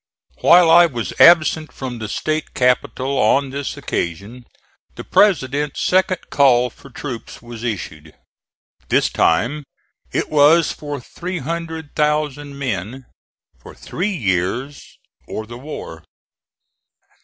While I was absent from the State capital on this occasion the President's second call for troops was issued. This time it was for 300,000 men, for three years or the war.